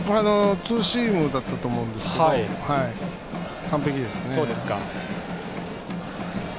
ツーシームだったと思うんですが完璧ですね。